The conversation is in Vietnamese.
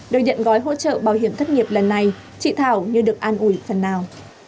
được nhận gói hỗ trợ bảo hiểm thất nghiệp lần này chị thảo như được an ủi phần nào